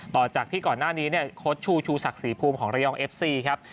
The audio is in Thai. ต่อจากที่ก่อนหน้านี้เนี่ยโค้ชชูชูศักดิ์ศรีภูมิของระยองเอฟซีครับ